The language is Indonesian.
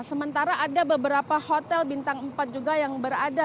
sementara ada beberapa hotel bintang empat juga yang berada